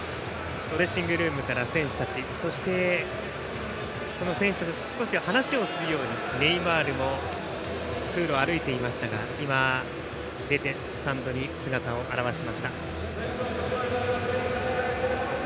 ドレッシングルームから選手たちそして選手たちと少し話をするようにネイマールも通路を歩いていましたがスタンドに姿を現しました。